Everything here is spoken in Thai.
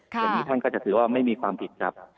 อย่างนี้ท่านก็จะถือว่าไม่มีความผิดครับ